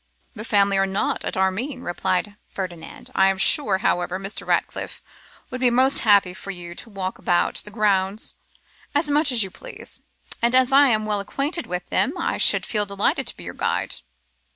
'The family are not at Armine,' replied Ferdinand; 'I am sure, however, Sir Ratcliffe would be most happy for you to walk about the grounds as much as you please; and as I am well acquainted with them, I should feel delighted to be your guide.